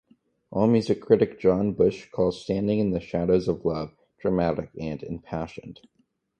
Allmusic critic John Bush calls "Standing in the Shadows of Love" "dramatic" and "impassioned.